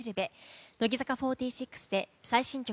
乃木坂４６で最新曲